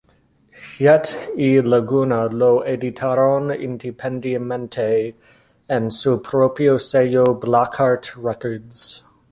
Jett y Laguna lo editaron independientemente en su propio sello Blackheart Records.